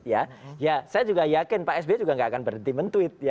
ya saya juga yakin pak s b juga gak akan berhenti men tweet